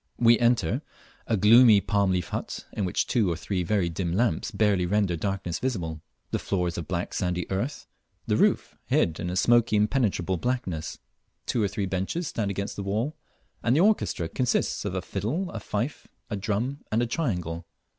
We enter a gloomy palm leaf hut, in which two or three very dim lamps barely render darkness visible. The floor is of black sandy earth, the roof hid in a smoky impenetrable blackness; two or three benches stand against the walls, and the orchestra consists of a fiddle, a fife, a drum, and a triangle.